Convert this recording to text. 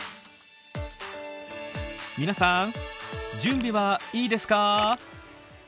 皆さん準備はいいですか？